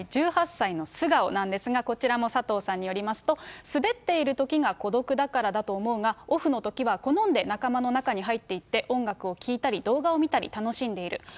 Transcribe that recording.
１８歳の素顔なんですが、こちらも佐藤さんによりますと、滑っているときが孤独だからだと思うが、オフのときは好んで仲間の中に入っていって、音楽を聴いたり動画を見たり楽しんでいる。